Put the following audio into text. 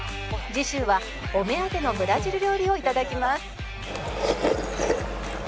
次週はお目当てのブラジル料理を頂きます